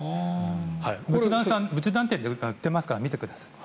仏壇店で売っていますから見てください。